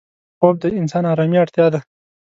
خوب د انسان آرامي اړتیا ده